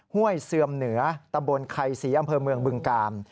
ห้วยเสื่อมเหนือตำบลไข่ศรีอำเภอเมืองบึงกาล